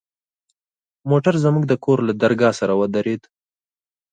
موټر زموږ د کور له درگاه سره ودرېد.